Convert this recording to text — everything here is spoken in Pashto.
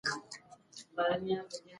انا غواړي چې له دې امتحانه بریالۍ ووځي.